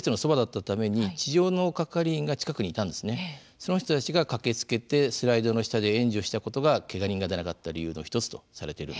その人たちが駆けつけてスライドの下で援助したことがけが人が出なかった理由の一つとされてるんですね。